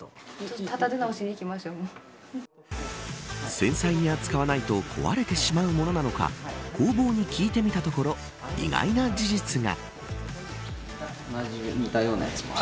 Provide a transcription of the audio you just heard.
繊細に扱わないと壊れてしまうものなのか工房に聞いてみたところ意外な事実が。